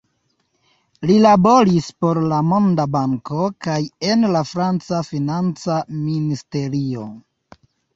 Li laboris por la Monda Banko kaj en la franca financa ministerio.